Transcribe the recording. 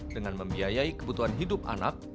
dengan membiayai kebutuhan hidup anak